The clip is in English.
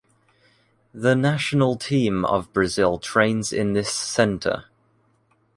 The national team of Brazil trains in this center.